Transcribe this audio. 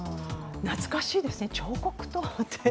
懐かしいですね、彫刻刀って。